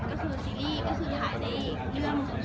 ทีนี้ก็คือถ่ายได้อีกเรื่องครั้ง